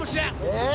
えっ？